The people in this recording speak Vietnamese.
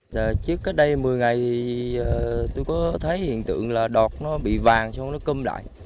là trước cách đây một mươi ngày tôi có thấy hiện tượng là đọt nó bị vàng xong nó cơm lại